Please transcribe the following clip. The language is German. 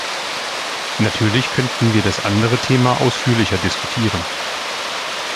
Natürlich könnten wir das andere Thema ausführlicher diskutieren.